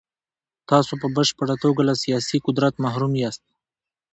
تاسو په بشپړه توګه له سیاسي قدرت محروم یاست.